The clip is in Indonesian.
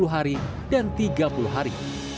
dua puluh hari dan tiga puluh hari